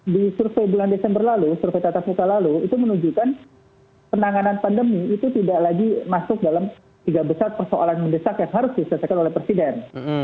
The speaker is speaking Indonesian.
di survei bulan desember lalu survei tatap muka lalu itu menunjukkan penanganan pandemi itu tidak lagi masuk dalam tiga besar persoalan mendesak yang harus diselesaikan oleh presiden